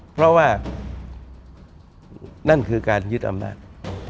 เพราะว่านั่นคือการยึดอำนาจ